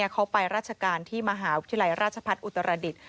เขาไปราชการที่มหาวิทยาลัยราชพัฒน์อุตรดิษฐ